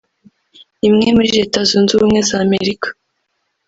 imwe muri Leta Zunze Ubumwe Z’Amerika